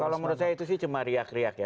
kalau menurut saya itu sih cuma riak riak ya